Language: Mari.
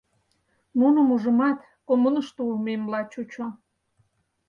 — Нуным ужымат, коммунышто улмемла чучо.